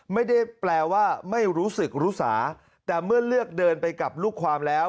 ไม่ได้แปลว่าไม่รู้สึกรู้สาแต่เมื่อเลือกเดินไปกับลูกความแล้ว